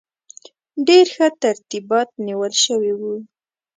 ډېر ښه ترتیبات نیول شوي وو.